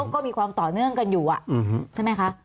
ก็มีความต่อเนื่องกันอยู่ใช่ไหมคะ